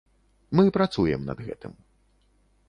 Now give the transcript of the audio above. Мы працуем над гэтым.